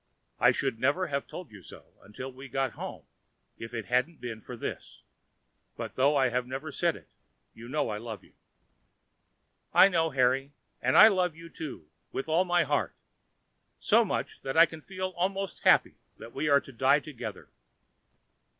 I should never have told you so until we had got home if it hadn't been for this; but though I have never said it, you know I love you." "I know, Harry; and I love you too with all my heart—so much, that I can feel almost happy that we are to die together."